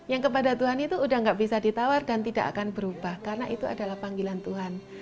yang kepada tuhan itu udah gak bisa ditawar dan tidak akan berubah karena itu adalah panggilan tuhan